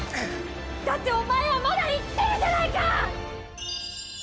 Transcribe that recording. だってお前はまだ生きてるじゃないか！